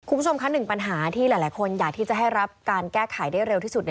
คุณผู้ชมคะหนึ่งปัญหาที่หลายคนอยากที่จะให้รับการแก้ไขได้เร็วที่สุด